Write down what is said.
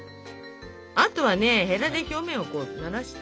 あとはねヘラで表面をならして。